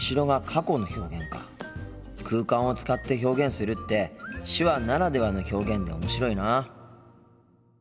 空間を使って表現するって手話ならではの表現で面白いな。